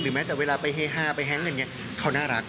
หรือแม้แต่เวลาไปเฮฮ่าไปแฮ้นต์อะไรอย่างนี้เขาน่ารัก